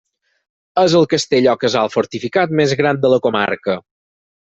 És el castell o casal fortificat més gran de la comarca.